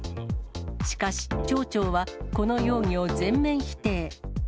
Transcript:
しかし、町長はこの容疑を全面否定。